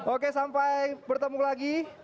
oke sampai bertemu lagi